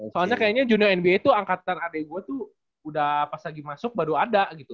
soalnya kayaknya juni nba itu angkatan adik gue tuh udah pas lagi masuk baru ada gitu